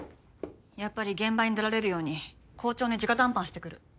やっぱり現場に出られるように校長に直談判してくる。